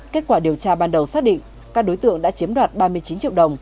kết quả điều tra ban đầu xác định các đối tượng đã chiếm đoạt ba mươi chín triệu đồng